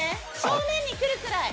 正面に来るくらい。